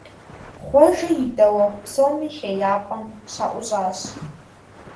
Хъуэжэ и дэуэгъу псоми хеяпӏэм щаӀущӀащ.